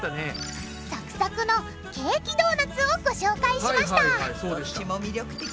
サクサクのケーキドーナツをご紹介しましたどっちも魅力的。